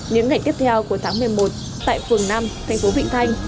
những ngày tiếp theo của tháng một mươi một tại phường năm thành phố vịnh thanh